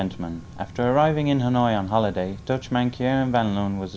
chúng tôi rất ủng hộ và nhanh chóng của địa ngục này